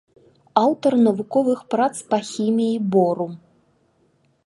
Аўтар навуковых прац па хіміі бору.